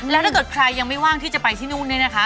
แล้วถ้าเกิดใครยังไม่ว่างที่จะไปที่นู่นนี่นะคะ